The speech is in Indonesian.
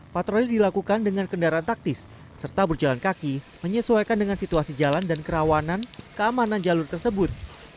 patroli dilakukan dengan kendaraan taktis serta berjalan kaki menyesuaikan dengan situasi jalan dan kerawanan keamanan jalur tersebut